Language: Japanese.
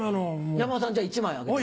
山田さんじゃあ１枚あげて。